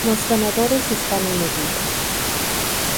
Los ganadores están en Negritas